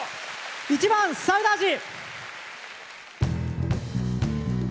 １番「サウダージ」。